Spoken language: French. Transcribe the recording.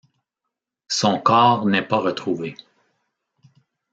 Son corps n'est pas retrouvé.